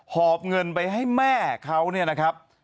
อบเงินไปให้แม่เขาเนี่ยนะครับ